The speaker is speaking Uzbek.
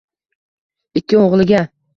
Ikki o’g’liga